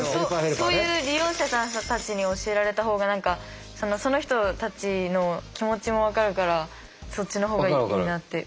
そういう利用者さんたちに教えられたほうがその人たちの気持ちも分かるからそっちの方がいいなって。